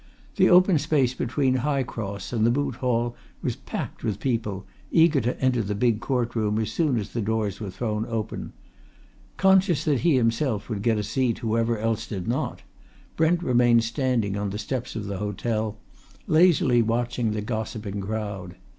The open space between High Cross and the Moot Hall was packed with people, eager to enter the big court room as soon as the doors were thrown open. Conscious that he himself would get a seat whoever else did not, Brent remained standing on the steps of the hotel, lazily watching the gossiping crowd.